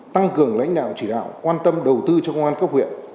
tăng cường lãnh đạo chỉ đạo quan tâm đầu tư cho công an cấp huyện